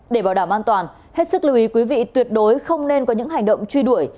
để bảo đảm an toàn hết sức lưu ý quý vị tuyệt đối không nên có những hành động truy đuổi